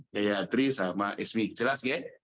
gayatri sama smi jelas ya